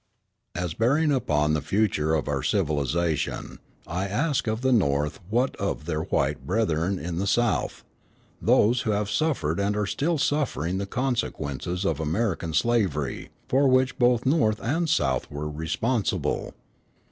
As bearing upon the future of our civilisation, I ask of the North what of their white brethren in the South, those who have suffered and are still suffering the consequences of American slavery, for which both North and South were responsible?